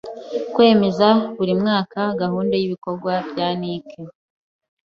kwemeza buri mwaka gahunda y’ibikorwa bya NIC;